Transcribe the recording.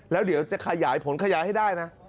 แล้วเดี๋ยวจะขยายผลขยายให้ได้นะ